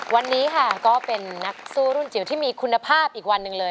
วันนี้ค่ะก็เป็นนักสู้รุ่นจิ๋วที่มีคุณภาพอีกวันหนึ่งเลย